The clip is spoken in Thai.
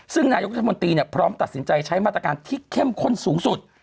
ซึ่งนายกรัฐมนตรีพร้อมตัดสินใจใช้มาตรการที่เข้มข้นสูงสุด